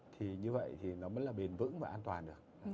thì như vậy thì nó mới là bền vững và an toàn được